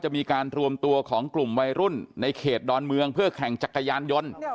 มีการรวมตัวของกลุ่มวัยรุ่นในเขตดอนเมืองเพื่อแข่งจักรยานยนต์